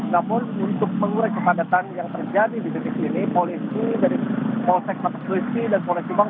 namun untuk mengurai kepadatan yang terjadi di titik ini polisi dari polsek batuklisti dan polres cibang